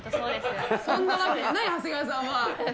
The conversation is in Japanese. そんなはずがない、長谷川さんは。